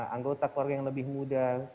anggota keluarga yang lebih muda